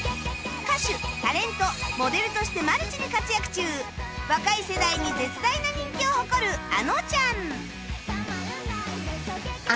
歌手タレントモデルとしてマルチに活躍中若い世代に絶大な人気を誇るあのちゃん